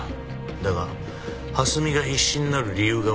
だが蓮見が必死になる理由がわからなかった。